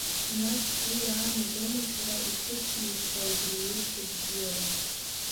Нас бгәы иаанагома шәара ишәыциит ҳәа убри еиԥш абзиара.